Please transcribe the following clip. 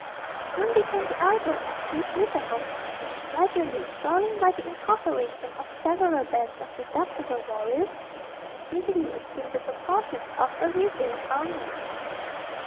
He soon became the idol of his little host, which, gradually swelling by the incorporation of several bands of redoubtable warriors, speedily assumed the proportions of a regal army.